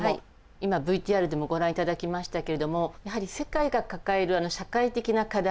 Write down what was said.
今ＶＴＲでもご覧いただきましたけれどもやはり世界が抱える社会的な課題